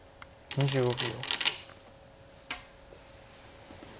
２５秒。